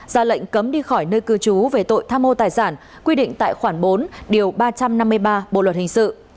ra lệnh cấm đi khỏi nơi cư trú về tội tham mô tài sản quy định tại khoản bốn điều ba trăm năm mươi ba bộ luật hình sự